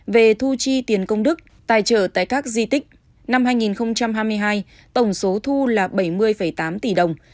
về thu chi tiền công đức tài trợ tại các di tích năm hai nghìn hai mươi hai tổng số thu là bảy mươi tám tỷ đồng